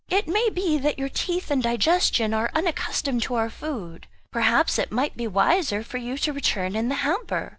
"It may be that your teeth and digestion are unaccustomed to our food; perhaps it might be wiser for you to return in the hamper."